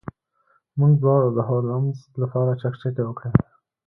موږ دواړو د هولمز لپاره چکچکې وکړې.